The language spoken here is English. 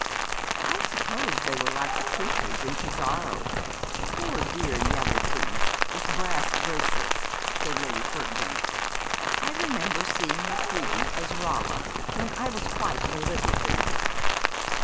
'I suppose they were like the creatures in Pizarro, poor dear yellow things with brass bracelets,' said Lady Kirkbank. 'I remember seeing Macready as Rolla when I was quite a little thing.'